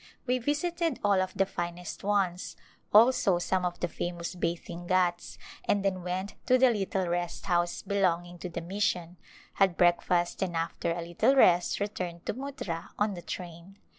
We visited all of the finest ones, also some of the famous bathing ghats^ and then went to the little rest house belonging to the mission, had breakfast and after a little rest re turned to Muttra on the train.